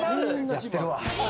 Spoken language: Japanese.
やってるわ。